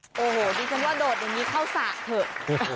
โอ้โหดิฉันว่าโดดอย่างนี้เข้าสระเถอะ